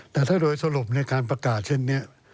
แต่ถ้าโดยสรุปในการประกาศเช่นนี้